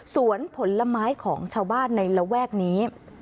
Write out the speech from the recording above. ผลไม้ของชาวบ้านในระแวกนี้